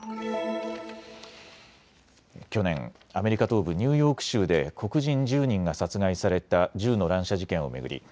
去年、アメリカ東部・ニューヨーク州で黒人１０人が殺害された銃の乱射事件を巡り